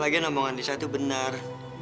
lagian omongan lisa itu benar